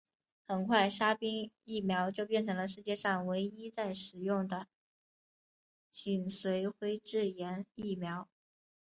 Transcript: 很快沙宾疫苗就变成世界上唯一在使用的脊髓灰质炎疫苗。